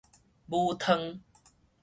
母湯